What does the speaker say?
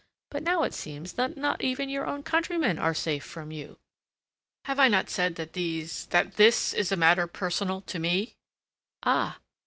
But now it seems that not even your own countrymen are safe from you." "Have I not said that these... that this is a matter personal to me?" "Ah!